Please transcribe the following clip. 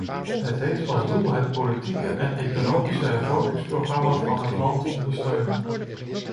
Het heeft als doel het politieke en economische hervormingsprogramma van het land te ondersteunen.